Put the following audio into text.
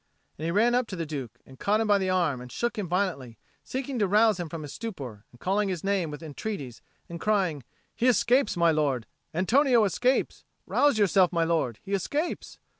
And he ran up to the Duke, and caught him by the arm and shook him violently, seeking to rouse him from his stupor, and calling his name with entreaties, and crying, "He escapes, my lord; Antonio escapes! Rouse yourself, my lord he escapes!"